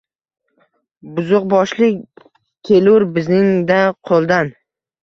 Buzuqboshlik kelur bizning-da qo’ldan.